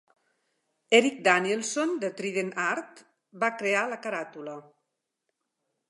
Erik Danielsson de Trident Art va crear la caràtula.